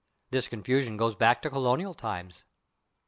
This confusion goes back to colonial times.